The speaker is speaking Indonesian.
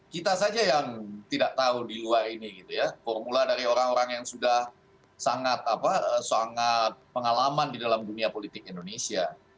kita saja yang tidak tahu di luar ini gitu ya formula dari orang orang yang sudah sangat pengalaman di dalam dunia politik indonesia